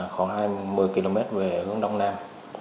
khoảng hai mươi km về hướng đông nam